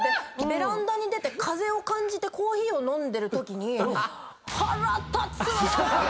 ベランダに出て風を感じてコーヒーを飲んでるときに。と思って。